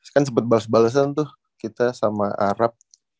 kan sempat bales balesan tuh kita sama arab